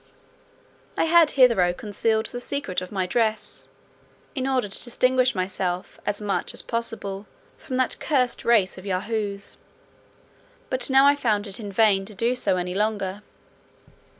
I had hitherto concealed the secret of my dress, in order to distinguish myself, as much as possible, from that cursed race of Yahoos; but now I found it in vain to do so any longer.